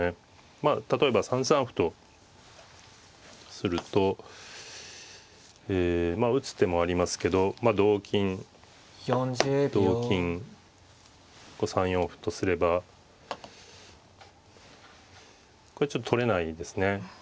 まあ例えば３三歩とするとまあ打つ手もありますけど同金同金３四歩とすればこれ取れないですね。